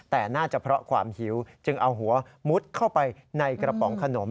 แต่น่าจะเพราะความหิวจึงเอาหัวมุดเข้าไปในกระป๋องขนม